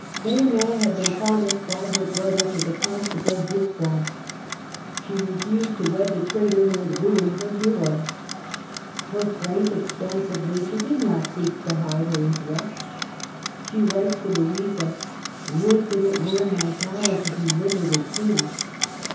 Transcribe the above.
Leonor had been promised by her brother to the Constable Bourbon. She refused to wed the traitor who had ruined her hero. Her frank, expansive nature did not seek to hide her inter est. She writes to Louisa, '' Would that it were in my power to deliver the King